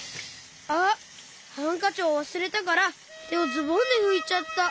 あっハンカチをわすれたからてをズボンでふいちゃった！